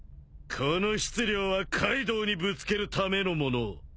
この質量はカイドウにぶつけるためのもの。